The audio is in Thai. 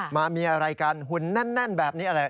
มามีอะไรกันหุ่นนั่นแบบนี้